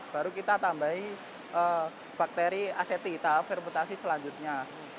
baru kita tambahin bakteri aseti atau fermentasi selanjutnya